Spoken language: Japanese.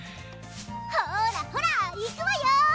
ほーらほらいくわよー！